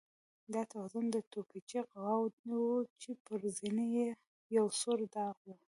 دا تورن د توپچي قواوو و چې پر زنې یې یو سور داغ و.